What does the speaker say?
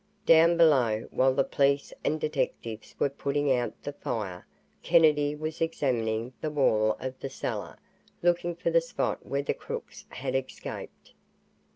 Down below, while the police and detectives were putting out the fire, Kennedy was examining the wall of the cellar, looking for the spot where the crooks had escaped.